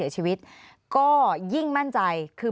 อันดับสุดท้ายแก่มือ